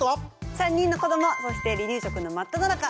３人の子どもそして離乳食の真っただ中鈴木亜美です。